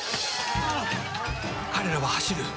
「彼等は走る。